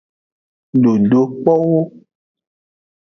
Dodokpowo.